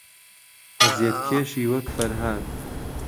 عهزیەتکێشی وهک فهرهاد